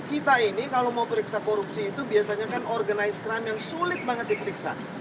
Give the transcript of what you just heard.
kita ini kalau mau periksa korupsi itu biasanya kan organized crime yang sulit banget diperiksa